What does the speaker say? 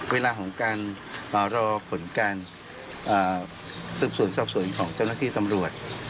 เวลาของการรอผลการสืบสวนสอบสวนของเจ้าหน้าที่ตำรวจ